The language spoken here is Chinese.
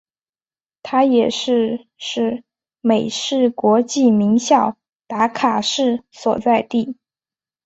它也是是美式国际名校达卡市所在地。